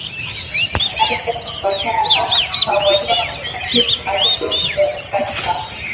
Yanatendeka kufuatana na kawaida na taratibu maalumu zilizokubaliwa